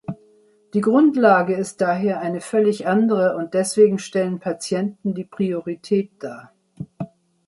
Die Grundlage ist daher eine völlig andere und deswegen stellen Patienten die Priorität dar.